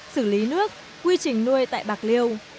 xử lý nước quy trình nuôi tại bạc liêu